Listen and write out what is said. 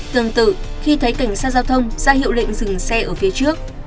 tương tự khi thấy cảnh sát giao thông ra hiệu lệnh dừng xe ở phía trước